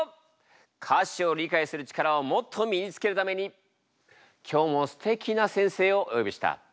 歌詞を理解する力をもっと身につけるために今日もすてきな先生をお呼びした。